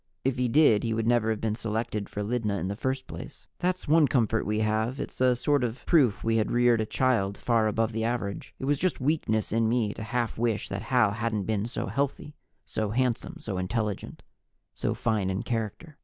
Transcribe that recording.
If he did, he would never have been selected for Lydna in the first place. That's one comfort we have it's a sort of proof we had reared a child far above the average. It was just weakness in me to half wish that Hal hadn't been so healthy, so handsome, so intelligent, so fine in character.